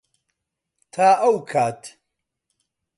تا ئەو کات.